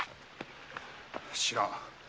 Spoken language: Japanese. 知らん！